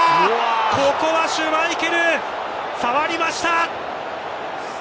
ここはシュマイケル触りました。